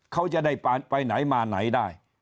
เขาจะได้ไปไหนมาไหนได้